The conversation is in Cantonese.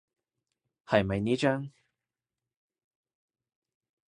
係咪呢張？